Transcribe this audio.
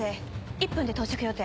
１分で到着予定。